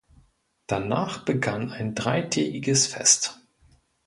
Danach begann ein dreitägiges Fest.